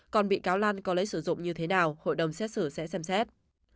còn bị cáo lan có lấy sử dụng như thế nào hội đồng xét xử sẽ xem xét